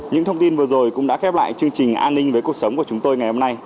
những thông tin vừa rồi cũng đã khép lại chương trình an ninh với cuộc sống của chúng tôi ngày hôm nay